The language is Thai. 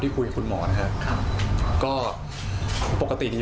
ตอนนี้